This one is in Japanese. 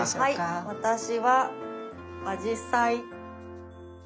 はい私はあじさい。